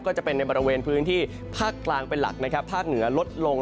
ก็จะเป็นในบริเวณพื้นที่ภาคกลางเป็นหลักนะครับภาคเหนือลดลง